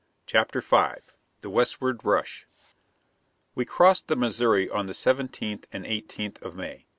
] CHAPTER FIVE THE WESTWARD RUSH WE crossed the Missouri on the seventeenth and eighteenth of May.